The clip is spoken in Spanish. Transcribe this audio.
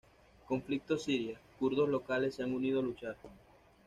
Conflicto Siria: kurdos locales se han unido a luchar